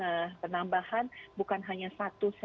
nah penambahan bukan hanya satu saja